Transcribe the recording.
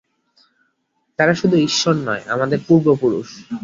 তারা শুধু ঈশ্বর নয়, আমাদের পূর্বপুরুষ।